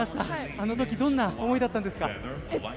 あのとき、どんな思いだったんですか。